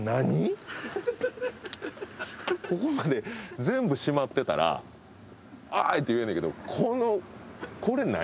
ここまで全部閉まってたらああって言えんねんけどこのこれ何？